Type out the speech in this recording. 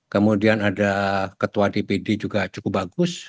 kemudian ada ketua dpd juga cukup bagus